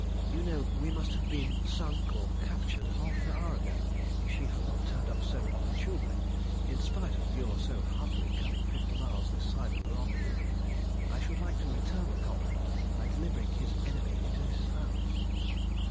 You know we must have been sunk or captured half an hour ago if she had not turned up so opportunely, in spite of your so happily coming fifty miles this side of the rendezvous. I should like to return the compliment by delivering his enemy into his hand."